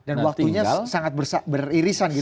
dan waktunya sangat beririsan gitu